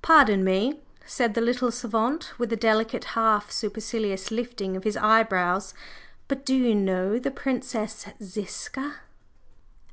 "Pardon me!" said the little savant, with a delicate, half supercilious lifting of his eyebrows. "But do you know the Princess Ziska?"